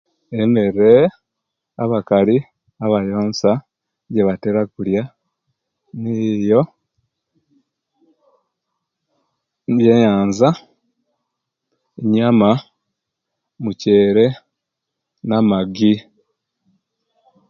Emera abaakali abayonsa egibatera kulya niyiiyo byenyanza nyaama mukyera namagi